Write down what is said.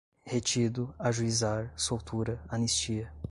retido, ajuizar, soltura, anistia